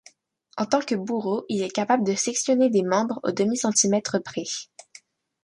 En tant que bourreau, il est capable de sectionner des membres au demi-centimètre près.